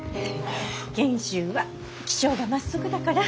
賢秀は気性がまっすぐだから。